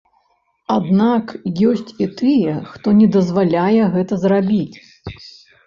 Аднак, ёсць і тыя, хто не дазваляе гэта зрабіць.